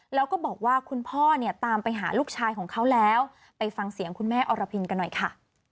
แล้วก็บอกว่าคุณพ่อเนี่ยตามไปหาลูกชายของเขาแล้วไปฟังเสียงคุณแม่อรพินกันหน่อยค่ะ